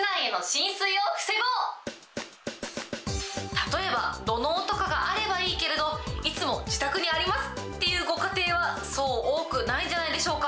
例えば、土のうとかがあればいいけれど、いつも自宅にありますっていうご家庭は、そう多くないんじゃないでしょうか。